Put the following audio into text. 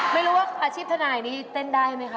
ไม่รู้ว่าอาชีพทนายนี้เต้นได้ไหมคะ